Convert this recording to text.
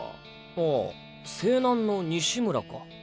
ああ勢南の西村か。